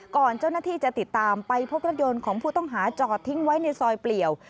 ก่อนเจ้าหน้าที่จะติดตามไปพบรถยนต์ของผู้ต้องหาจอดทิ้งไว้ในซอยเปลี่ยว